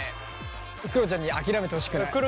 くろちゃんに諦めてほしくない。